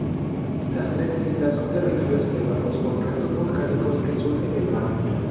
Las tres islas son territorios elevados con restos volcánicos que surgen del mar.